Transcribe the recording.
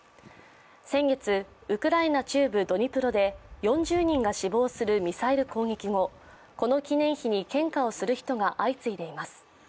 先月、ウクライナ中部ドニプロで４０人が死亡するミサイル攻撃後この記念碑に献花をする人が相次いでいます。